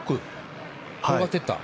転がっていった？